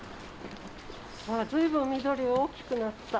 あら随分緑が大きくなった。